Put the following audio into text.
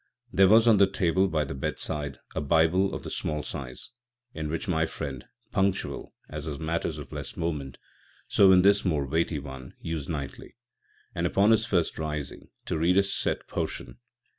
There was on the Table by the Beddside a Bible of the small size, in which my Friend punctuall as in Matters of less Moment, so in this more weighty one â€" used nightly, and upon his First Rising, to read a sett Portion.